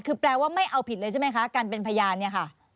คือแปลว่าไม่เอาผิดเลยใช่ไหมคะการเป็นพยานเนี่ยค่ะ